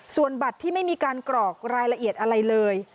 ส่วนบัตรที่ไม่มีการกรอกรายละเอียดอะไรเลย